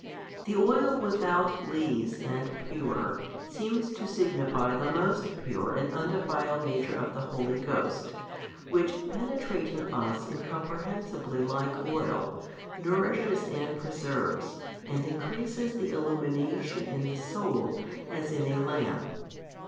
The oil without lees and pure, seems to signify the most pure and undefiled Nature of the Holy Ghost, Which penetrating us incomprehensibly like oil, nourishes and preserves and increases the illumination in the soul, as in a lamp.